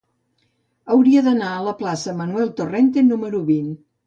Hauria d'anar a la plaça de Manuel Torrente número vint.